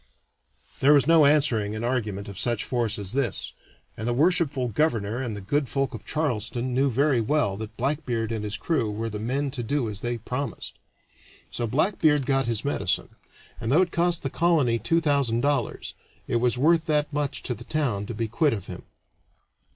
There was no answering an argument of such force as this, and the worshipful governor and the good folk of Charleston knew very well that Blackbeard and his crew were the men to do as they promised. So Blackbeard got his medicine, and though it cost the colony two thousand dollars, it was worth that much to the town to be quit of him.